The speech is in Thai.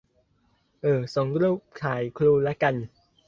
เอ่อส่งรูปถ่ายครูละกัน !